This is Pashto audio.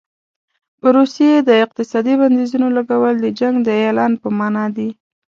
په روسیې د اقتصادي بندیزونو لګول د جنګ د اعلان په معنا دي.